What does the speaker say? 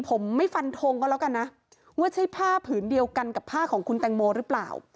ผมไม่ฟันทงก็แล้วกันนะว่าใช่ผ้าผืนเดียวกันกับผ้าของคุณแตงโมหรือเปล่า